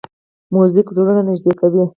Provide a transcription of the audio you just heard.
موزیک زړونه نږدې کوي.